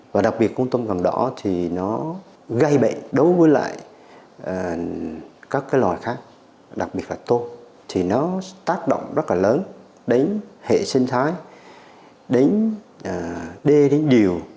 và đặc biệt con tôm càng đỏ thì nó gây bệnh đối với lại các loài khác đặc biệt là tôm thì nó tác động rất là lớn đến hệ sinh thái đến đê đến điều